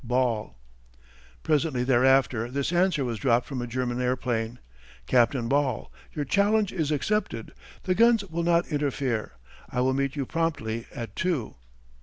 BALL. Presently thereafter this answer was dropped from a German airplane: CAPTAIN BALL: Your challenge is accepted. The guns will not interfere. I will meet you promptly at two.